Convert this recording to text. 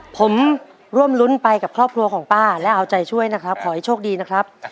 ผมร่วมรุ้นไปกับครอบครัวของป้าและเอาใจช่วยนะครับขอให้โชคดีนะครับ